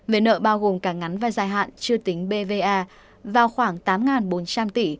về nợ bao gồm cả ngắn và dài hạn chưa tính bva vào khoảng tám bốn trăm linh tỷ